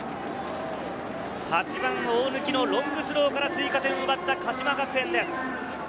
８番・大貫のロングスローから追加点を奪った鹿島学園です。